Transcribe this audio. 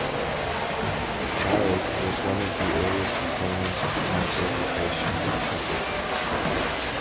Childe was one of the earliest proponents of cancer education to the public.